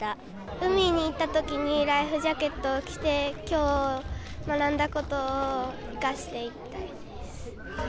海に行ったときに、ライフジャケットを着て、きょう学んだことを生かしていきたいです。